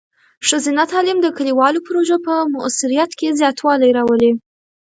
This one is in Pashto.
ښځینه تعلیم د کلیوالو پروژو په مؤثریت کې زیاتوالی راولي.